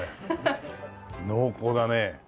濃厚だね。